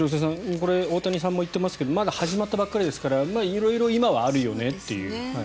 これ、大谷さんも言ってますがまだ始まったばかりですから色々今はあるよねっていう。